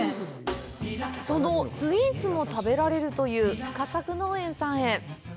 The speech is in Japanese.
そのスイーツも食べられるという深作農園さんへ。